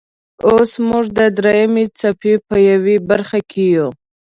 اوس موږ د دریمې څپې په یوه برخې کې یو.